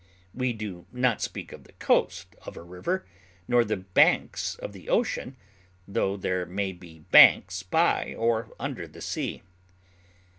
We do not speak of the coast of a river, nor of the banks of the ocean, tho there may be banks by or under the sea.